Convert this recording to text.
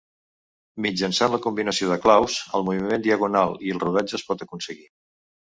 Mitjançant la combinació de claus, el moviment Diagonal i el rodatge es pot aconseguir.